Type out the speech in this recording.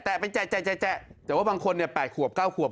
แต่ว่าบางคนเนี่ย๘ขวบ๙ขวบ